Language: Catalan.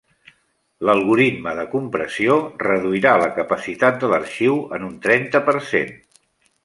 L'algoritme de compressió reduirà la capacitat de l'arxiu en un trenta per cent.